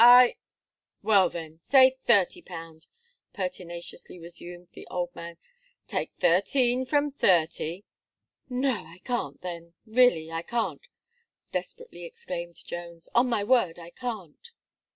"I " "Well then, say thirty pound," pertinaciously resumed the old man; "take thirteen from thirty " "No, I can't then really, I can't," desperately exclaimed Jones; "on my word I can't."